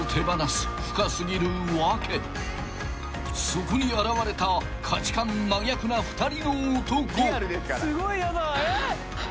［そこに現れた価値観真逆な２人の男］